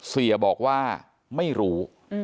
เสียบอกว่าไม่รู้